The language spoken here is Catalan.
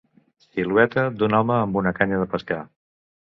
Silueta d"un home amb una canya de pescar.